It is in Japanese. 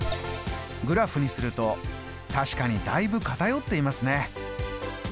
グラフにすると確かにだいぶ偏っていますね。